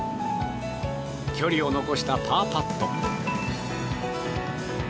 距離を残したパーパット。